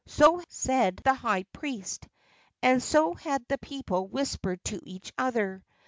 So said the high priest, and so had the people whispered to each other.